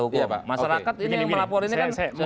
masyarakat ini yang melapor ini kan